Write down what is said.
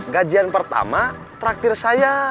gajian pertama traktir saya